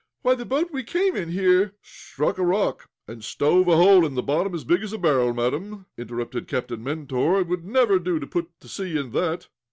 Why, the boat we came here in " "Struck a rock, and stove a hole in the bottom as big as a barrel, madam," interrupted Captain Mentor. "It would never do to put to sea in that."